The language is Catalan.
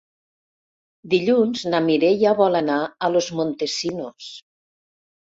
Dilluns na Mireia vol anar a Los Montesinos.